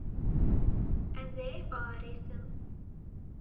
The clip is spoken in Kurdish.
Ez ê biarêsim.